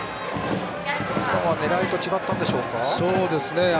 狙いと違ったんでしょうか。